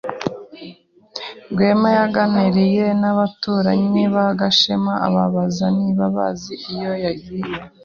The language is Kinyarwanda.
Rwema yaganiriye n’abaturanyi ba Gashema ababaza niba bazi iyo yagiye.